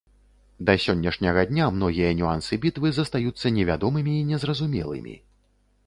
Да сённяшняга дня многія нюансы бітвы застаюцца невядомымі і незразумелымі.